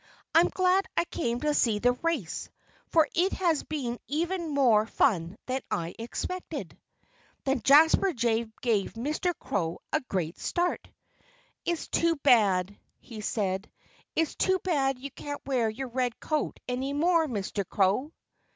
"I'm glad I came to see the race, for it has been even more fun than I expected." Then Jasper Jay gave Mr. Crow a great start. "It's too bad " he said "it's too bad you can't wear your red coat any more, Mr. Crow."